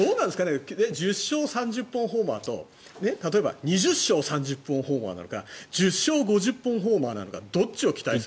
１０勝３０本ホーマーと例えば２０勝３０本ホーマーなのか１０勝５０本ホーマーなのかどちらを期待する？